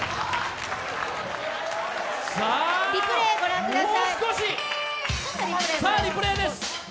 リプレーご覧ください。